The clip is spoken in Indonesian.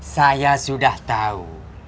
saya sudah tahu